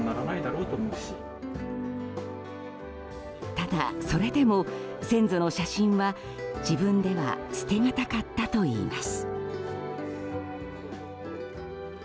ただ、それでも先祖の写真は自分では捨てがたかったといいます。